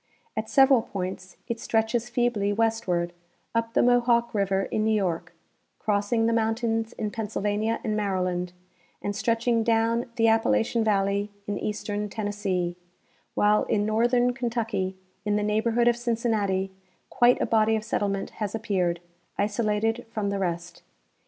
At several points it stretches feebly westward, up the Mohawk river in New York, crossing the mountains in Pennsylvania and Maryland, and stretching down the Appalachian valley in eastern Tennessee, while in northern Kentucky, in the neighborhood of Cincinnati, quite a body of settlement has appeared, isolated from the rest.